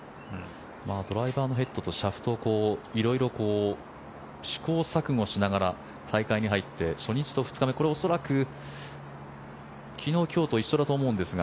ドライバーのヘッドとシャフトを色々と試行錯誤しながら大会に入って初日と２日目これ、恐らく昨日今日と一緒だと思うんですが。